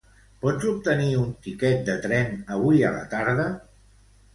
Pots obtenir un tiquet de tren avui a la tarda?